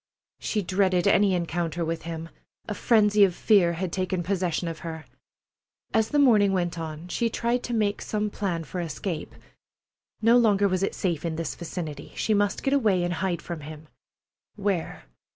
She dreaded any encounter with him. A frenzy of fear had taken possession of her. As the morning went on, she tried to make some plan for escape. No longer was it safe in this vicinity. She must get away and hide from him. Where?